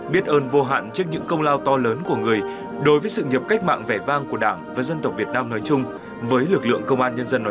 biết ơn vô hạn trước những công lao to lớn của người đối với sự nghiệp cách mạng vẻ vang của đảng